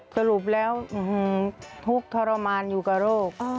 สรุปแล้วทุกข์ทรมานอยู่กับโรค